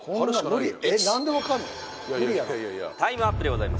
無理やろタイムアップでございます